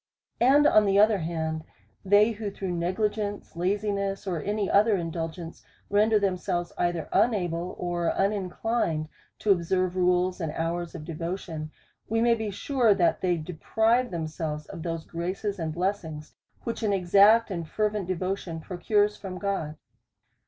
And on the other hand, they who through negli gence, laziness, or any other indulgence, render them selves either unable, or uninclined to observe rules and hours of devotion, we may be sure, that they deprive themselves of those graces and blessings which an exact and fervent devotion procures from God.